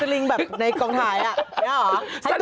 อ๋อโหดสลิงก์เหมือนในกล่องถ่ายได้หรือ